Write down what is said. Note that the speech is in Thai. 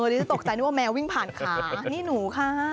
อื่อจะตกใจที่แมววิ่งผ่านคานี่หนูค่า